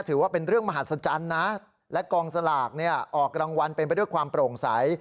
ถือว่าเป็นเรื่องมหัศจรรย์นะและกองสลากเนี่ยออกรางวัลเป็นไปด้วยความโปร่งใส